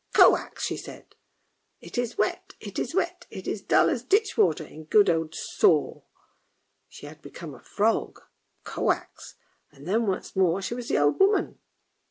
" Koax," she said, "it is wet, it is wet, it is dull as ditch water — in good old Soro! " She had become a frog, " koax," and then once more she was the old woman.